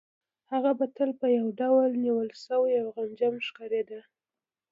هغه به تل یو ډول نیول شوې او غمجنې ښکارېدله